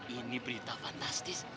ini berita fantastis